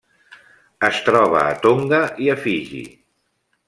Es troba a Tonga i a Fiji.